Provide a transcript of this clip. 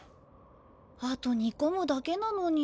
あとにこむだけなのに。